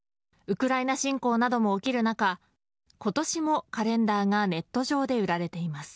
ウクライナ侵攻なども起きる中今年もカレンダーがネット上で売られています。